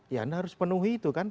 ya anda harus penuhi itu kan